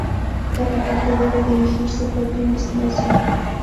Cada parte debe dirigir su propia investigación.